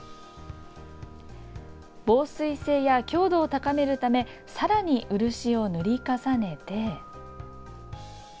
防水性や強度を高めるためさらに漆を塗り重ねて。